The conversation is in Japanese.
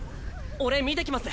俺見てきます。